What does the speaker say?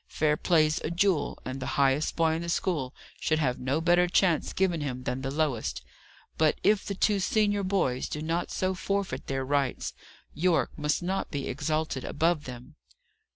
Fair play's a jewel: and the highest boy in the school should have no better chance given him than the lowest. But if the two senior boys do not so forfeit their rights, Yorke must not be exalted above them."